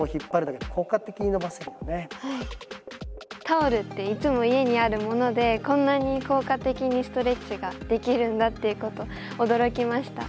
タオルっていつも家にあるものでこんなに効果的にストレッチができるんだっていうことに驚きました。